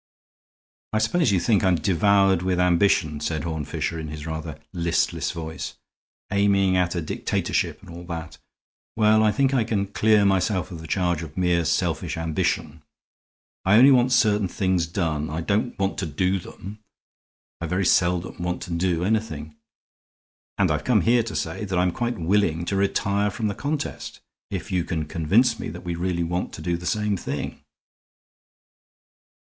"I suppose you think I'm devoured with ambition," said Horne Fisher, in his rather listless voice, "aiming at a dictatorship and all that. Well, I think I can clear myself of the charge of mere selfish ambition. I only want certain things done. I don't want to do them. I very seldom want to do anything. And I've come here to say that I'm quite willing to retire from the contest if you can convince me that we really want to do the same thing."